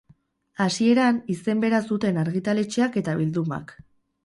Hasieran, izen bera zuten argitaletxeak eta bildumak.